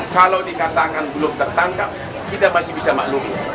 kalau dikatakan belum tertangkap kita masih bisa maklumi